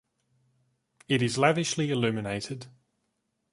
It is lavishly illuminated.